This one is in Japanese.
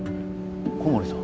小森さん。